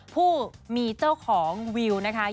ผู้มีเจ้าของวิวนะคะ